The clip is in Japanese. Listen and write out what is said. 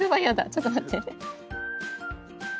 ちょっと待って。